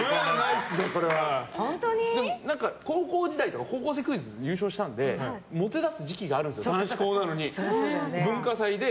でも、高校時代とか「高校生クイズ」で優勝したんでモテ出す時期があるんですよ男子校なのに、文化祭で。